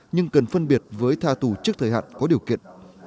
nhưng cần phân biệt với tha tù trước thời hạn có điều kiện